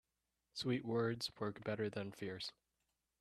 Sweet words work better than fierce.